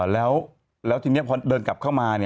แล้วทีนี้พอเดินกลับเข้ามา